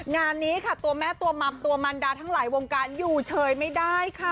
งานนี้ค่ะตัวแม่ตัวมัมตัวมันดาทั้งหลายวงการอยู่เฉยไม่ได้ค่ะ